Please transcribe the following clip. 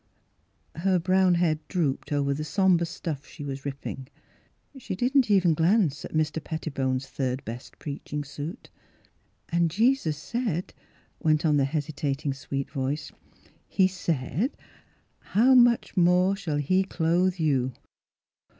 Her brown head drooped over the som bre stuff she was ripping. She did not Miss Fhilura's Wedding Gown even glance at Mr. Pettibone's third best preaching suit. " And Jesus said," went on the hestita ting, sweet voice, " He said, ' how much ' more shall he clothe you.'